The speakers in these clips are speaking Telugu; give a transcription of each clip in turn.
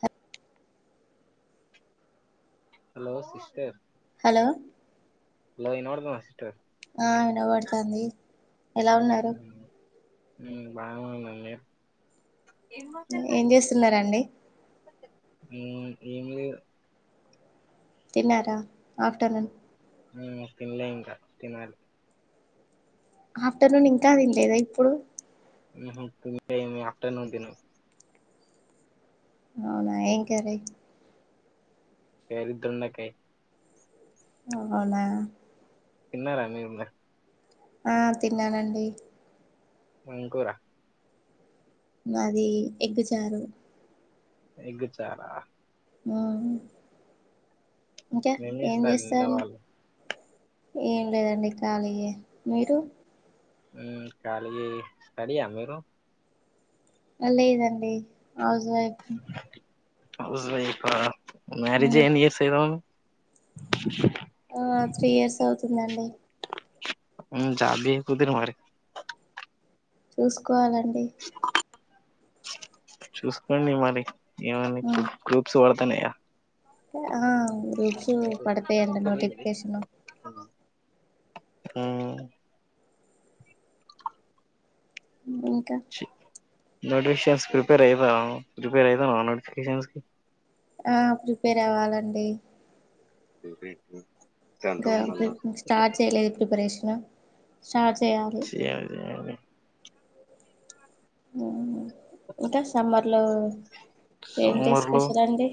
Hatf hello sister hello hello వినపడుతున్ ఆ వినబడుతుంది ఎలా ఉన్నారు ఉమ్ బానే ఉన్నానండీ ఏం చేస్తున్నారండి హమ్ ఏంలేదు తిన్నారా ఆఫ్టర్నూన్ ఉమ్, తినలే ఇంకా తినాలి ఆఫ్టర్నూన్ ఇంకా తినలేదా ఇప్పుడు త ఆఫటర్నూన్ తిన [unintelligible] అవునా ఏం కర్రీ కర్రీ దొండకాయ్ ఓ అవునా తిన్నరండి మీరు కూడ ఆ తిన్నానండి ఎం కూర మాది ఎగ్ చారు ఎగ్ చార ఆహ్ ఇంకా ఏం చేస్తారు ఇంట్లో చేస్తాల్ వాళ్ళు ఏం లేదండి కాళియే. మీరు ఉహ్మ్ కాళీయే స్టీడియా మీరు లేదండి హౌస్వైఫ్ హౌస్వైఫ్ ఆహ్ మ్యారిజ్ ఉమ్, ఎన్ని ఇయర్స్ అయ్ [unintelligible] ఆ త్రీ ఇయర్స్ అవుతుందండి. ఉహ్ జబికుదిగా మరి చూసుకోవాలండి చూసుకోండి మరి ఏమైనా ఉమ్, గ్రూప్స్ వాడ్ తనయ ఆ గ్రూప్స్ పడతాయండి నోటిఫికషను ఉహ్ ఇంకా నోటిఫికేషన్స్ ప్రిపేర్ అయివ ప్రిపేర్ అయ్యితన్నవ నోటిఫికేషన్స్ కి ఆ ప్రిపేర్ అవ్వాలండి. [unintelligible] ఇంకా మళ్ళా స్టార్ట్ చేయలేదు ప్రిపరేషను స్టార్ట్ చేయాలి. ఉహ్ హు ఇంకా సమ్మర్ లో ఏంటి సమ్మర్ లో స్పెషల్ అండి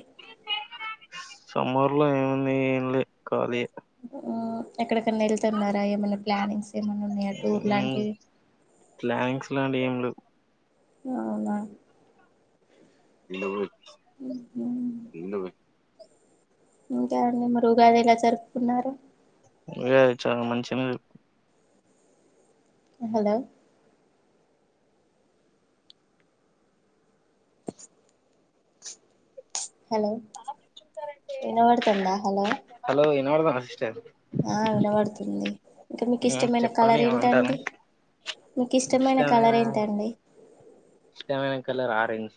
సమ్మర్లో ఏముంది ఏం లే ఖాళీయే ఉహ్ ఎక్కడెకనా ఎళ్తున్నారా. ఏమన్నా ప్లానింగ్స్ ఎమనున్నయా టూర్లాంటివి లెవ్ అవునా నిండా కూడా పొయ్ నిండా పోయ్ ఉగాది మరుగాది ఎలా జరుపుకున్నారు. వే చాలా మంచినే హలో హలో ఇనవాడ్తంందా హలో [unintelligible] ఆ వినబడుతుంది ఇంకా మీకు ఇష్టమైన చెప్పండి కలర్ ఏమంటారు ఏంటండి మీకు ఇష్టమైన కలర్ ఏంటండి ఇష్టమైన కలర్ ఆరెంజ్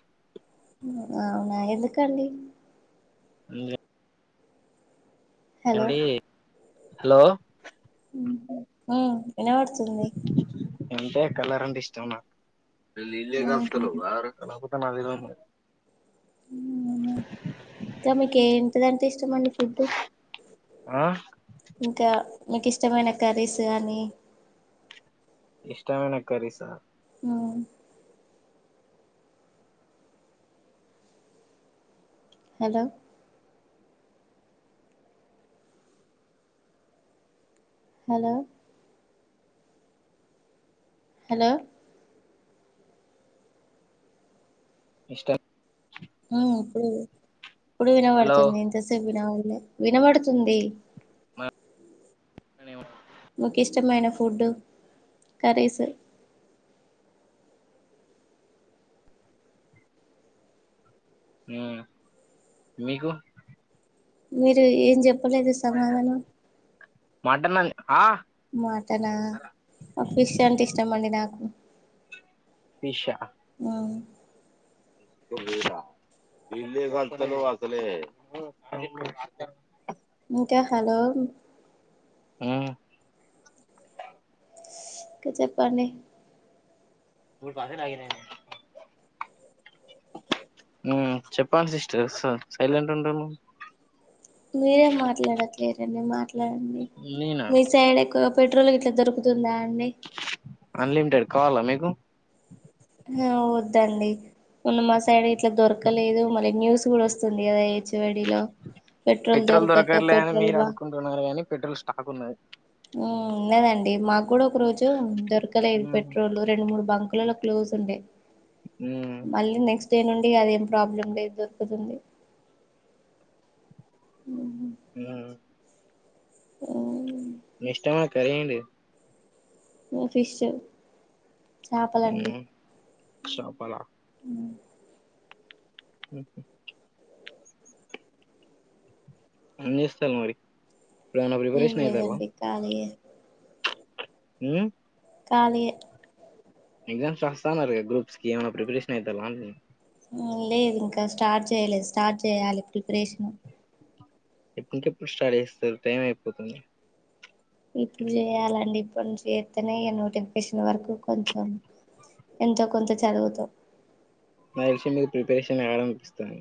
అవునా ఎందుకండి అంటే హలో ఏవండి హలో హ్మ్ వనపడుతుంది ఇంతే కలర్ అంటే ఇష్టం నా ఈళ్ ఈళ్ళే ఉహు కలుస్తరు ఎవరికి లాభం అదిలోనూ హ్మ్ ఇంకా మీకు ఎంటిదంటే ఇష్టమండి ఫుడ్డు ఆ ఇంకా నీకు ఇష్టమైన కర్రీస్ కానీ ఇష్టమైన కర్రీసా హ్మ్ హలో హలో హలో ఇష్టమే హ్మ్ అప్పుడు ఇప్పుడు వినా హలో పడుతుంది ఎంతసేపు వినబడుతుంది అనీ మకు ఇష్టమైన ఫుడ్ కరీస్ హ మీకు మీరు ఏం చెప్ప అప్పులేదు సమాధానం అ మటన్ ఫిష్ అంటే ఇష్టం అండి నాకు విషా ఉమ్ ఇల్లీ అసలే ఇంకా హలో ఆ చెప్పండి చెప్పం సిస్టర్ సైలెంట్ ఉంటాను మీరే మాట్లాడట్లేరండి మాట్లాడండి నేనా మీ సైడ్ ఎక్కువ పెట్రోల్ ఎట్లా దొరుకుతుందా అండి అన్లిమిటెడ్ కావాల మీకు ఆ వద్దండి ఉన్న మా సైడ్ ఇట్లా దొరకలేదు మళ్ళీ న్యూస్ చూడ వస్తుంది అద పెట్రోల్ దొరకర్లే అని పెట్రోల్ మీరు బా అనుకుంటున్నారు కానీ పెట్రోల్ స్టాక్ ఉన్నది ఉ లేదండి మాకు కూడా ఒక రోజు దొరకలేదు పెట్రోల్ రెండు మూడు బంక్ ఫుల్ క్లోజ్ ఉండే మీ మళ్ళీ నెక్స్ట్ నేనుండి అదేం ప్రాబ్లం లేదు దొరుకుతుంది హ్మ్ మిష్ట మ కరండి ఆ ఫిష్ చాపలండి చెప్పాలా ఏం జేస్తారు మరి ఇప్పుడు ఏమైనా ఏం ప్రిపరేషన్ అయితారా లేదండి ఖాళీయే ఊ ఖాళీయే ఎగ్జామ్స్ రాస్తా మరి గ్రూప్స్ కి ఏమన్నా ప్రిపరేషన్ ఐతాల్లా [inaudible] ఊ లేదు ఇంకా స్టార్ట్ చేయలేదు స్టార్ట్ చెయ్యాలి ప్రిపరేషన్ [unintelligible] ప్పుడు స్టార్ట్ చేస్తారు టైం అయిపోతుంది ఇప్పుడు చేయాలండి ఇప్పడి నుంచి చేస్తేనే ఈ నోటిఫికేషన్ వరకు కొంచెం ఎంతో కొంత చదువుతా ఆ విషయం మీకు ప్రిపరేషన్ [unintelligible] అనిపిస్తుంది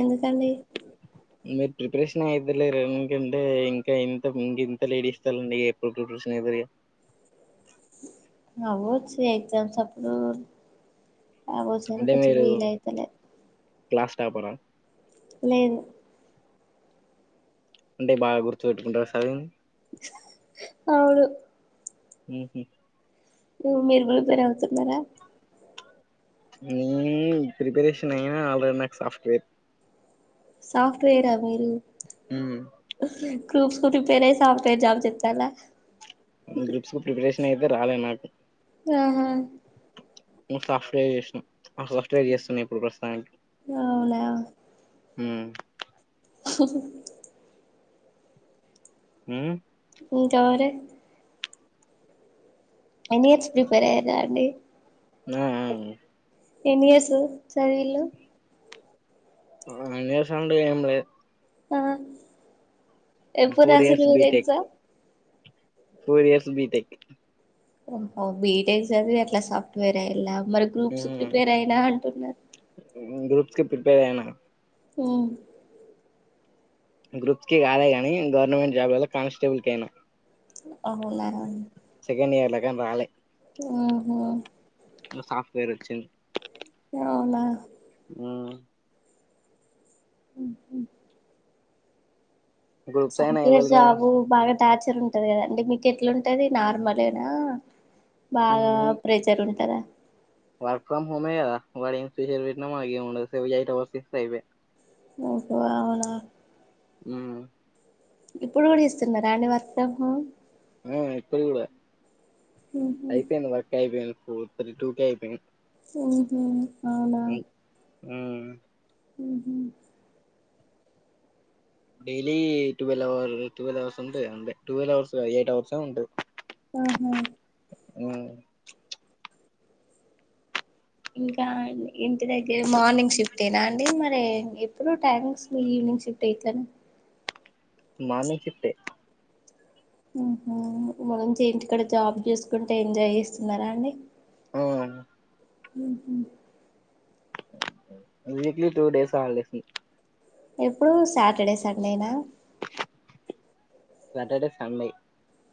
ఎందుకండి మీరు ప్రిపరేషన్ అయిద్దలేరు ఎందుకంటే ఇంకా ఇంత ఇంక ఇంత లేడ్ ఇస్తాలండి ఎప్పుడు ప్రిపరేషన్ అయితారిగ అవ్వచ్చు ఎగ్జామ్స్ అప్పుడు అవొచ్చు గాని అంటే కొంచెం మీరు వీల్ అయితలే క్లాస్ టాపరా లేదు అంటే బాగా గుర్తు పెట్టుకుంటారా సదివిన్ అవును ఊహూ ఊమ్ మీరు ప్రిపేర్ అవుతున్నారా ఊమ్ ప్రిపరేషన్ అయినా ఆల్రెడి నాకు సాఫ్ట్వేర్ సాఫ్ట్వేర్ ఆ మీరు ఊమ్ గ్రూప్స్ కు ప్రిపేర్ సాఫ్ట్వేర్ జాబ్ చెప్పాలా గ్రూప్స్ కు ప్రిపరేషన్ అయితే రాలే నాకు ఆహా నువ్ సాఫ్ట్వేర్ చేసినాం ఆ సాఫ్ట్వేర్ చేస్తున్న ఇప్పుడు ప్రస్తుతానికి అవునా ఊమ్ హ్మ్ ఊమ్ ఇంకావరె అనీట్స్ ప్రిపేర్ అయ్యరా అండి ఆ అ ఎన్ని ఇయర్స్ చదివిలు ఎన్ని ఇయర్స్ అండి ఏం లేదు ఆ ఎప్పుడు ఫోర్ రాశారు ఇయర్స్ మీరు BTech exam four years BTech ఓహ బీటేక్ చదివి అట్లా సాఫ్ట్వేర్ అయిండ్రా మరి గ్రూప్స్ ప్రిపేర్ అయినా అంటున్నారు గ్రూప్స్ కి ప్రిపేరైనా ఆ గ్రూప్ కి కాలే ని గవర్నమెంట్ జాబ్లలో కానిస్టేబుల్ కయినా ఓహో అల నా సెకండ్ ఇయర్ ల కానీ రాలే ఊహ్మ్ సాఫట్వేర్ వచ్చంది అవునా ఊమ్ ఊహ్మ్ గ్రూప్స్ అయినా సాఫ్ట్వేర్ ఎవరికి జాబు బయ టాచర్ ఉంటది కదా అండి మీకు ఎట్లుంటది నార్మలేనా బాగా ప్రెషర్ ఉంటారా వర్క్ ఫ్రమ్ హోమే కదా వా ఇస్పిష పెట్టి మా ఎట్వర్యిపో ఓహ అవునా ఉ ఇప్పుడు కూడా ఇస్తున్నారాని వర్క్ ఫ్రమ్ హోమ్ ఆ ఇప్పుడు కూడా కూడా ఉహు అయిపో వర్కాయిపో ఫోర్ తీ టూ క అయిపోయిన్ ఓహ అవునా ఉ హ daily twelve hour twelve hours ఉంటాయి అే టువెల్్ అవర్స్ ఎయిట్ అవర్స్ ఉంటాయి ఆహా అ ఇంకా ఇంటి దగ్గర మార్నింగ్ షిఫ్టీనా అండి మరి ఎప్పుడు థంక్స్ మీ ఈవినింగ్ సిక్ ట్టేతన్ మనే చెట్టే మ్మ్ హు మలొంచి ఇంటిక్కడ జాబ్ చేసుకుంట ఎంజాయ్ చేస్తున్నారా అండి ఔ అన్ ఉహు వీక్లీ టూ డేస్ హాలిడేస్ ఎప్పుడు సాటర్డే సండేనా సాటర్డే సండే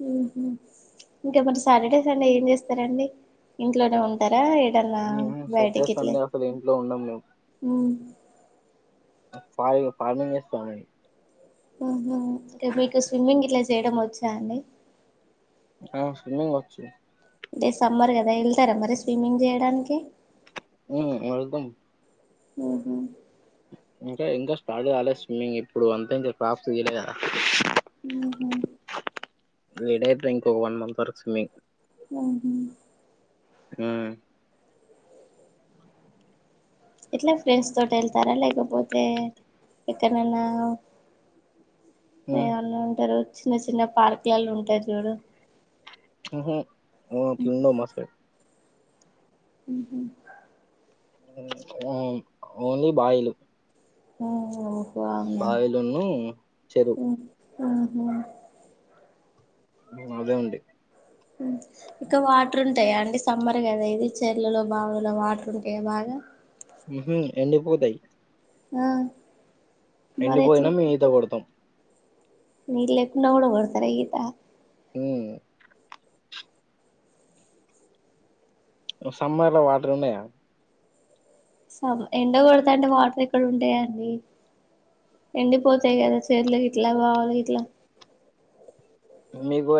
ఉహు ఇంకేమన్నా సాటర్డే సండే ఏం చేస్తారండి ఇంట్లోనే ఉంటారా ఏటన్నా బయటి సాటర్డే గిట్లే సండే అసలు ఇంట్లో ఉండం మ్మ్ ఫాయిగా ఫార్మింగ్ చేస్తాని మ్మ్ హు అంటే మీకు స్విమ్మింగ్ ఇట్ల చేయడం వచ్చా అండి ఆ స్విమింగ్ వచ్చు అంటే సమ్మర్ కదా వెళ్తారా మరి స్విమ్మింగ్ చేయడానికి ఉ వెళ్తమ్ మ్మ్ హు ఇంకా ఇంకా స్టార్ట్ కాలే స్విమ్మింగ్ ఇప్పుడు అంతా [unintelligible] తీయలే కదా ఆహ వీడేట్లో ఇంకొ వన్ మంత్ వరకు స్విమ్మింగ్ ఆహ ఆ ఇట్లా ఫ్రెండ్స్ తోటి వెళ్తారా లేకపోతే ఎక్కడన్నా ఏ అన్న ఉంటరు చిన్న చిన్న పార్క్లలో ఉంటా చూడు మ్మ్ హు ఉ తింద మాసే ఉహు మ్మ్ ఓన్లీ బాయిలు ఆ బావిలును చెరు ఆహ మ్ అదే ఉండి ఇక వాటర్ ఉంటాయా అండి సమ్మర్ కదా ఇది చెర్లలో బావులో వాటర్ ఉంటాయా బాగా మ్మ్ హు ఎండిపోతాయి ఆ మరి ఎండిపోదునా మీత కొడతాం నీళ్ళేకున్న కూడా కొడ్తారా ఈత మ్మ్ అ సమ్మర్ లో వాటర్ ఉన్నాయా సాబ్ ఎండ కొడతంటే వాటర్ ఎక్కడ ఉంటాయండి ఎండిపోతాయి కదా చెర్లు ఇట్లా బావి ఇట్లా మీకు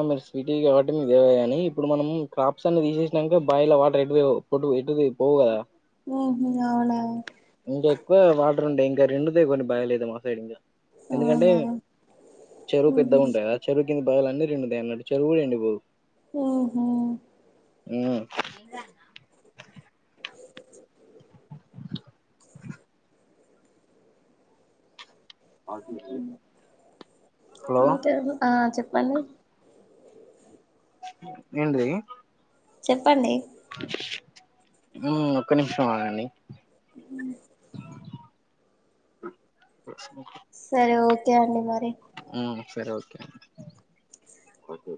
[unintelligible] స్వీటీ కావట్టి మీ [unintelligible] గాని ఇప్పుడు మనం క్రాప్స్ అన్ని తీసేసినాంక బావిలో వాటర్ ఎటు బేవ్ పొటు ఎటు పోవు కదా ఉహు అవునా ఇంకా ఎక్కువ వాటర్ ఉండే ఇంకా రెండుదే కొన్ని భయలేదు మా సైడ్ ఇంకా ఎందుకంటే అవునా చెరువు పెద్ద ఉంటాయి గా చెరువు బయలు అన్ని నిండుతాయి అన్నట్టు చెరువులు ఎండి పోవు ఊహూ హ్ హలో ఆ చెప్పు [unintelligible] ఏంటిది చెప్పండి ఉ ఒక్క నిమిషం ఆగండి హ్ [inaudible] సరే ఓకే అండి మరి హ్ సరే ఓకే